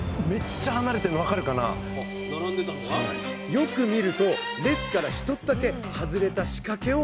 よく見ると列から１つだけ外れた仕掛けを発見！